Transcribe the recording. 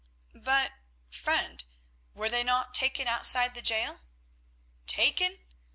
"But, friend, were they not taken outside the gaol?" "Taken?